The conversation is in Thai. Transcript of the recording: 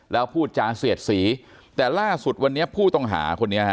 แล้วพูดจาเสียดสีแต่ล่าสุดวันนี้ผู้ต้องหาคนนี้ฮะ